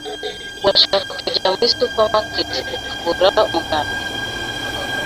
Urashaka kujya muri supermarket ukagura umugati?